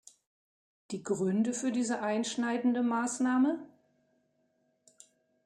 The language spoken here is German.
Die Gründe für diese einschneidende Maßnahme?